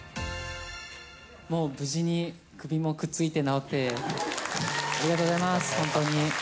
もう無事に首もくっついて治って、ありがとうございます、本当に。